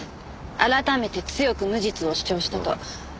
改めて強く無実を主張したと。